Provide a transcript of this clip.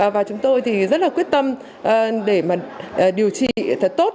và chúng tôi rất là quyết tâm để điều trị tốt